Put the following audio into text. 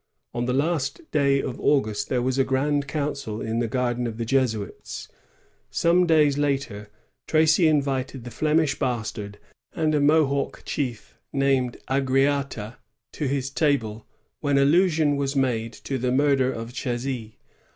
On the last day of August there was a grand council in the garden of the Jesuits. Some days later, Tracy invited the Flemish Bastard and a Mohawk chief named Agariata to his table, when allusion was made to the murder of Chasy.